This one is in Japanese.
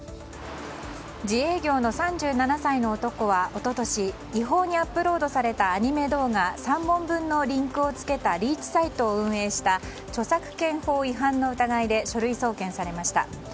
自営業の３７歳の男は一昨年違法にアップロードされたアニメ動画３本分のリンクを付けたリーチサイトを運営した著作権法違反の疑いで書類送検されました。